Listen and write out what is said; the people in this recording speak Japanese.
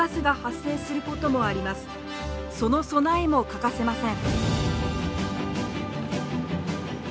その備えも欠かせません。